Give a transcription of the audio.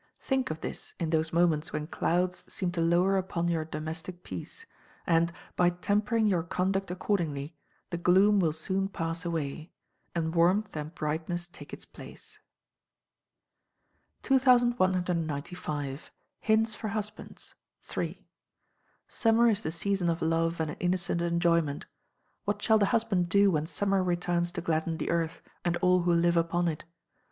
Think of this in those moments when clouds seem to lower upon your domestic peace, and, by tempering your conduct accordingly, the gloom will soon pass away, and warmth and brightness take its place. 2195. Hints for Husbands (3). Summer is the season of love and innocent enjoyment. What shall the husband do when summer returns to gladden the earth, and all who live upon it?